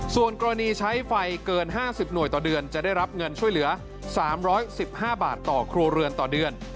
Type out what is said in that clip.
ส่วนกรณีใช้ไฟเกิน๕๐หน่วยต่อเดือนจะได้รับเงินช่วยเหลือ๓๑๕บาทต่อครัวเรือนต่อเดือน